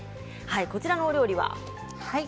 こちらのお料理は？